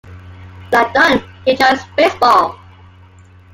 Like Don, he enjoys baseball.